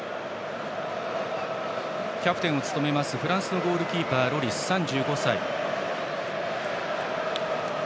キャプテンを務めますフランスのゴールキーパーロリス、３５歳。